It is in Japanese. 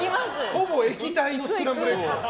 ほぼ液体のスクランブルエッグ。